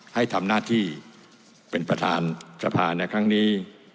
ให้ทำหน้าที่เป็นประธานสภาในครั้งนี้